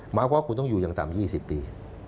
หมายความว่าคุณต้องอยู่อย่างต่ำ๒๐ปี